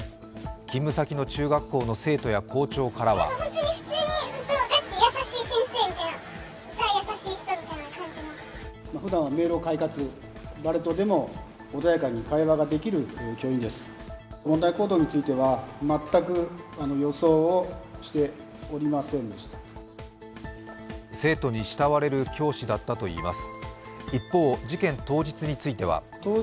勤務先の中学校の生徒や校長からは生徒に慕われる教師だったといいます。